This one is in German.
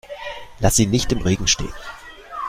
Lass sie nicht im Regen stehen!